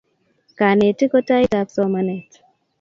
Kanetik ko tait ab somanet